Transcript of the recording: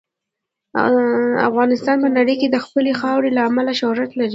افغانستان په نړۍ کې د خپلې خاورې له امله شهرت لري.